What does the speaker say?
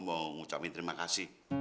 mau ngucapin terima kasih